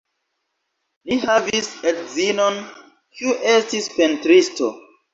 Li havis edzinon, kiu estis pentristo.